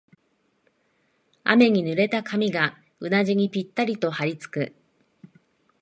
雨に濡れた髪がうなじにぴったりとはりつく